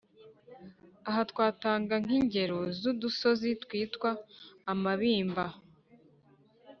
Aha twatanga nk’ingero z’udusozi twitwa amabimba